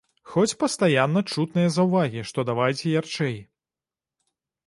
Хоць пастаянна чутныя заўвагі, што давайце ярчэй.